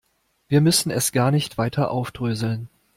Wir müssen es gar nicht weiter aufdröseln.